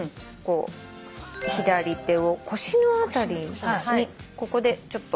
左手を腰の辺りにここでちょっと固定させます。